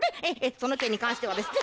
その件に関してはですね